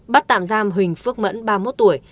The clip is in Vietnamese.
bắt tạm giam huỳnh phước mẫn ba mươi một tuổi